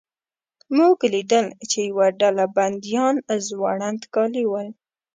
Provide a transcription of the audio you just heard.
موږ لیدل چې یوه ډله بندیان زوړند کالي ول.